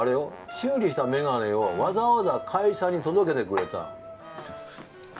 修理したメガネをわざわざ会社に届けてくれた。